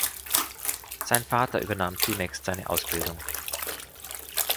Sein Vater übernahm zunächst seine Ausbildung.